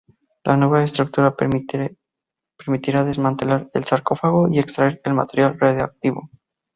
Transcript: La nueva estructura permitirá desmantelar el sarcófago y extraer el material radiactivo.